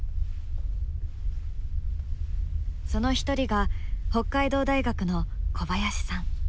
その一人が北海道大学の小林さん。